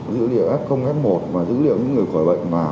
dữ liệu f f một và dữ liệu những người khỏi bệnh vào